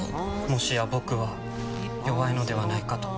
もしや僕は弱いのではないかと。